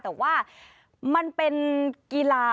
แต่ว่ามันเป็นกีฬา